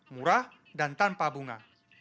murah dan tanpa bunga